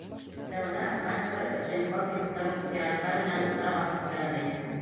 Өҫтәүенә, Хантер Джим Хокинстың пираттар менән утрауға киткәнен әйтте.